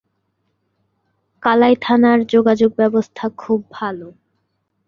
কালাই থানার যোগাযোগ ব্যবস্থা খুব ভালো।